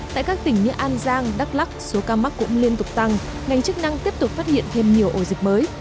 tại các tỉnh như an giang đắk lắc số ca mắc cũng liên tục tăng ngành chức năng tiếp tục phát hiện thêm nhiều ổ dịch mới